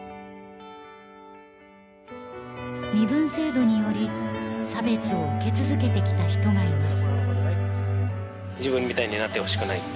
身分制度により差別を受け続けてきた人がいます